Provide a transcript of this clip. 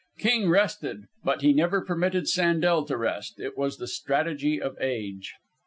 King rested, but he never permitted Sandel to rest. It was the strategy of Age.